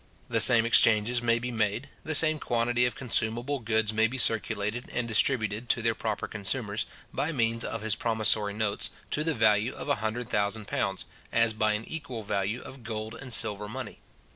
The same exchanges may be made, the same quantity of consumable goods may be circulated and distributed to their proper consumers, by means of his promissory notes, to the value of a hundred thousand pounds, as by an equal value of gold and silver money.